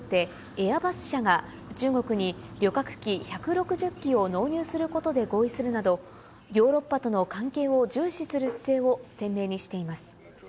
エアバス社が中国に旅客機１６０機を納入することで合意するなど、ヨーロッパとの関係を重視する姿勢を鮮明にしています。